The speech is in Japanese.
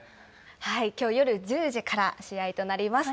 きょう夜１０時から、試合となります。